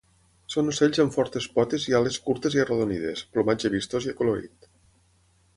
Són ocells amb fortes potes i ales curtes i arrodonides, plomatge vistós i acolorit.